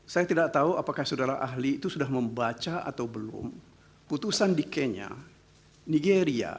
saya tidak tahu apakah saudara ahli itu sudah membaca atau belum putusan di kenya nigeria